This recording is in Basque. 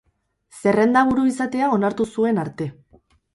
Zerrendaburu izatea onartu zuen arte.